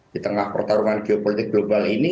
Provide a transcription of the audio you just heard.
di tengah pertarungan geopolitik global ini